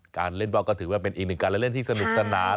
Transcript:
การเล่นบอลก็ถือว่าเป็นอีกหนึ่งการเล่นที่สนุกสนาน